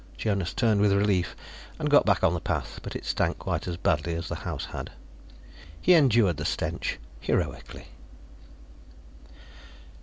Jonas turned with relief and got back on the path, but it stank quite as badly as the house had. He endured the stench heroically.